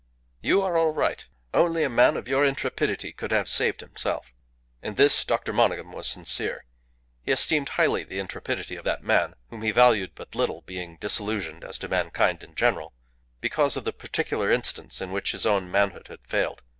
"You are all right. Only a man of your intrepidity could have saved himself." In this Dr. Monygham was sincere. He esteemed highly the intrepidity of that man, whom he valued but little, being disillusioned as to mankind in general, because of the particular instance in which his own manhood had failed.